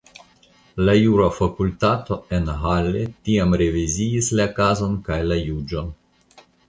La jura fakultato en Halle tiam reviziis la kazon kaj la juĝon.